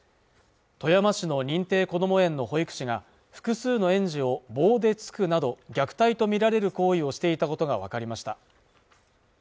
富山市の認定こども園の保育士が複数の園児を棒で突くなど虐待とみられる行為をしていたことが分かりました